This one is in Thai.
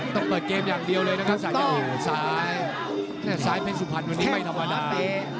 ต้องเปิดเกมอย่างเดียวเลยนะครับสาย่านเล็กซ้ายเป็นสุภัณฑ์วันนี้ไม่ธรรมดา